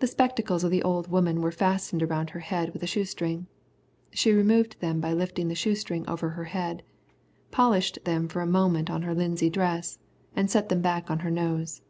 The spectacles of the old woman were fastened around her head with a shoestring. She removed them by lifting the shoestring over her head, polished them for a moment on her linsey dress and set them back on her nose.